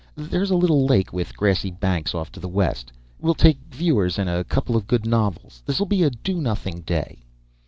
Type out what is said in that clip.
"There's a little lake with grassy banks off to the west. We'll take viewers and a couple of good novels. This'll be a do nothing day."